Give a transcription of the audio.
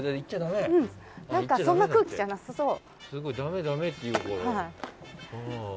そんな空気じゃなさそう。